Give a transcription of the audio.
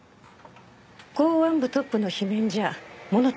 公安部トップの罷免じゃ物足りない？